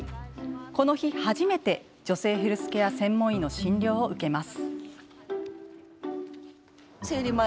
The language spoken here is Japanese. この日、初めて女性ヘルスケア専門医の診察を受けます。